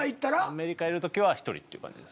アメリカいるときは１人っていう感じです。